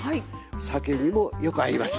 酒にもよく合います。